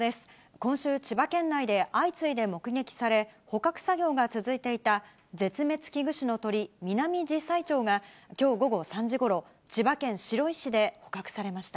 今週、千葉県内で相次いで目撃され、捕獲作業が続いていた、絶滅危惧種の鳥、ミナミジサイチョウがきょう午後３時ごろ、千葉県白井市で捕獲されました。